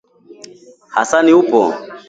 Hasani upo